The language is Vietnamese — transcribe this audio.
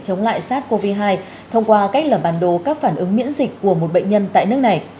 chống lại sars cov hai thông qua cách làm bản đồ các phản ứng miễn dịch của một bệnh nhân tại nước này